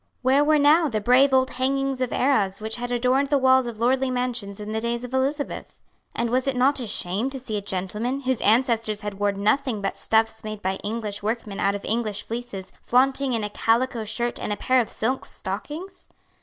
Where were now the brave old hangings of arras which had adorned the walls of lordly mansions in the days of Elizabeth? And was it not a shame to see a gentleman, whose ancestors had worn nothing but stuffs made by English workmen out of English fleeces, flaunting in a calico shirt and a pair of silk stockings?